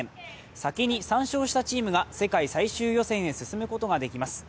先に３勝したチームが世界最終予選に進むことができます。